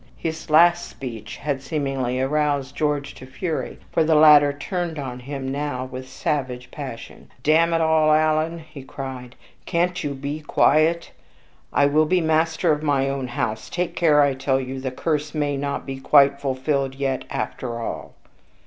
His last speech had seemingly aroused George to fury, for the latter turned on him now with savage passion. "Damn it all, Alan!" he cried, "can't you be quiet? I will be master in my own house. Take care, I tell you; the curse may not be quite fulfilled yet after all."